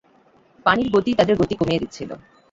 পানির গতি তাদের গতি কমিয়ে দিচ্ছিল।